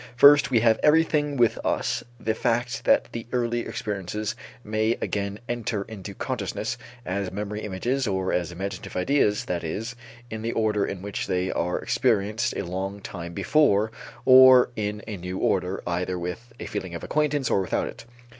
First, we have everywhere with us the fact that the earlier experiences may again enter into consciousness as memory images or as imaginative ideas, that is, in the order in which they are experienced a long time before or in a new order, either with a feeling of acquaintance or without it.